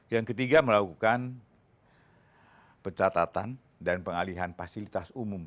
yang ketiga melakukan pencatatan dan pengalihan fasilitas umum